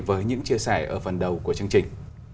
với những chia sẻ ở phần đầu của chương trình